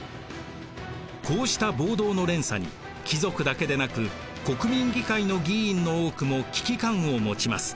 こうした暴動の連鎖に貴族だけでなく国民議会の議員の多くも危機感を持ちます。